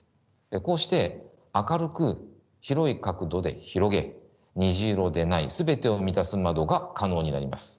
こうして明るく広い角度で広げ虹色でない全てを満たす窓が可能になります。